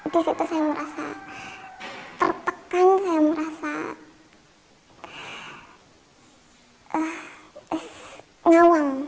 di situ saya merasa tertekan saya merasa nyawang